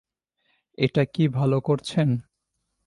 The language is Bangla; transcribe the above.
এটা কি ভালো করছেন?